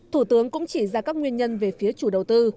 thủ tướng cũng chỉ ra các nguyên nhân về phía chủ đầu tư